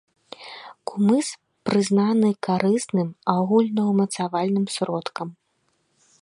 Кумыс прызнаны карысным агульнаўмацавальным сродкам.